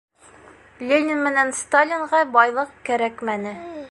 Ленин менән Сталинға байлыҡ кәрәкмәне.